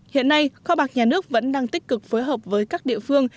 hiện nay kho bạc nhà nước vẫn đang tích cực phối hợp với các địa phương